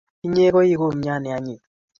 Inye koi u kumyat ne anyiny.